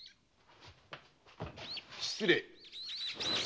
・失礼！